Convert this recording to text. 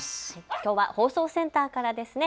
きょうは放送センターからですね。